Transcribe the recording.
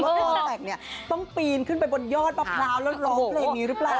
ตอนแต่งเนี่ยต้องปีนขึ้นไปบนยอดมะพร้าวแล้วร้องเพลงนี้หรือเปล่า